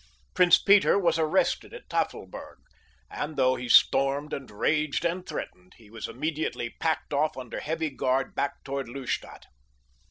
Prince Peter was arrested at Tafelberg, and, though he stormed and raged and threatened, he was immediately packed off under heavy guard back toward Lustadt.